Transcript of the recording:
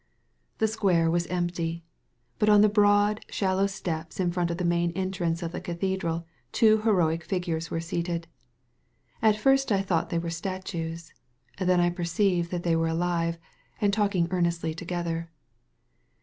The square was empty. But on the broad, shallow steps in front of the main entrance of the cathedral two heroic figiures were seated. At first I thought they were statues. Then I perceived they were alive, and talking earnestly together.